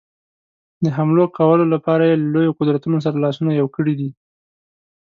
د حملو کولو لپاره یې له لویو قدرتونو سره لاسونه یو کړي دي.